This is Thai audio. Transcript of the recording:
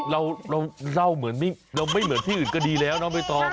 เราเล่าไม่เหมือนที่อื่นก็ดีแล้วนะไม่ต้อง